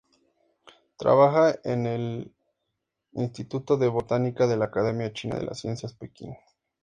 Trabaja en el "Instituto de Botánica" de la Academia China de las Ciencias, Pekín.